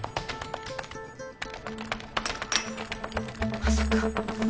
まさか？